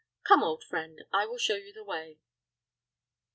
Come, old friend, I will show you the way."